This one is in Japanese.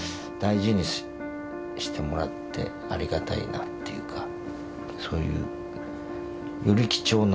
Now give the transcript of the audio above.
大事にしてもらってありがたいなっていうか。